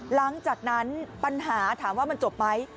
หลังจากนั้นปัญหาถามว่ามันจบไหม